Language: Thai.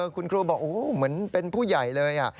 คุณครูบอกเหมือนเป็นผู้ใหญ่เลย